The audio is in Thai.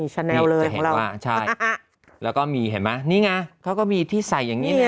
จะเห็นว่าใช่แล้วก็มีเห็นไหมนี่ไงเขาก็มีที่ใส่อย่างนี้